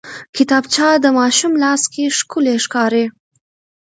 کتابچه د ماشوم لاس کې ښکلي ښکاري